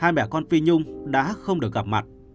hai mẹ con phi nhung đã không được gặp mặt